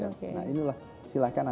nah inilah silahkan nanti